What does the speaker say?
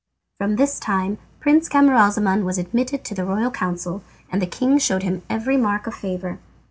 From this time Prince Camaralzaman was admitted to the royal council, and the king showed him every mark of favour.